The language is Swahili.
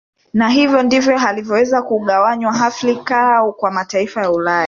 Na hivyo ndivyo ilivyoweza kugawanywa Afrika kwa mataifa ya Ulaya